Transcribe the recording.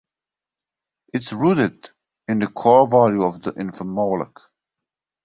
It is rooted in the core value of inafa'maolek.